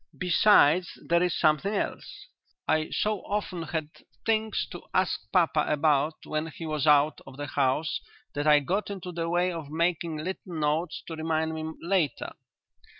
Besides there is something else. I so often had things to ask papa about when he was out of the house that I got into the way of making little notes to remind me later.